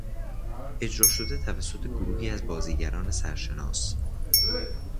اجرا شده توسط گروهی از بازیگران سرشناس